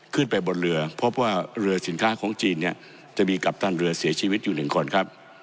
ขึ้นไปบนเรือพบว่าเรือสินค้าของจีนเนี่ยจะมีกัปตันเรือเสียชีวิตอยู่หนึ่งคนครับ